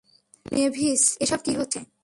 Mavis, এসব কী হচ্ছে?